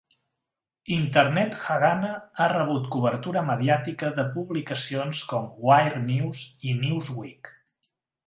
Internet Haganah ha rebut cobertura mediàtica de publicacions com "Wired News" i "Newsweek".